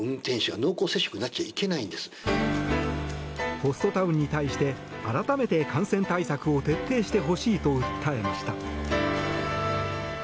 ホストタウンに対して改めて感染対策を徹底してほしいと訴えました。